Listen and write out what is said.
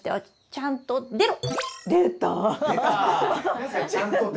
ちゃんと出ろって。